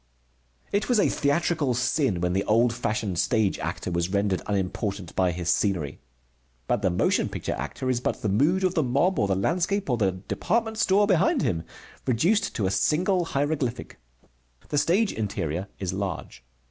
It was a theatrical sin when the old fashioned stage actor was rendered unimportant by his scenery. But the motion picture actor is but the mood of the mob or the landscape or the department store behind him, reduced to a single hieroglyphic. The stage interior is large.